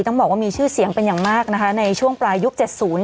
ต้องบอกว่ามีชื่อเสียงเป็นอย่างมากนะคะในช่วงปลายยุค๗๐